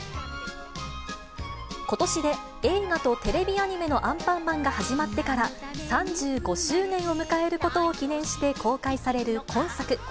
ことしで映画とテレビアニメのアンパンマンが始まってから３５周年を迎えることを記念して公開される今作。